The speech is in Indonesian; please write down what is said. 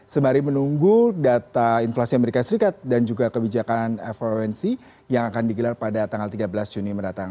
semari menunggu data inflasi as dan juga kebijakan fomc yang akan digelar pada tanggal tiga belas juni mendatang